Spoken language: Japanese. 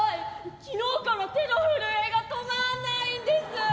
昨日から手の震えが止まんないんです。